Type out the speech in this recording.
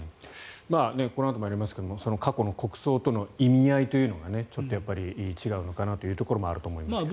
このあともやりますが過去の国葬との意味合いというのがちょっとやっぱり違うのかなというところもあると思いますけど。